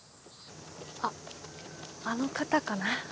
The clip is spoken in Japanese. あっあの方かな？